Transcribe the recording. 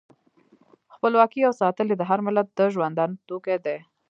خپلواکي او ساتل یې د هر ملت د ژوندانه توکی دی.